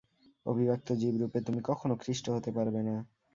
অভিব্যক্ত জীবরূপে তুমি কখনও খ্রীষ্ট হতে পারবে না।